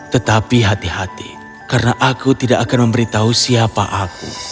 tetapi hati hati karena aku tidak akan memberitahu siapa aku